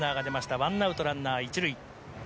１アウトランナー１塁。